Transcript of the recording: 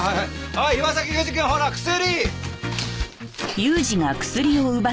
おい岩崎裕二くんほら薬！